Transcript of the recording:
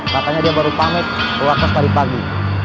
katanya dia baru pamit keluar kos tadi pagi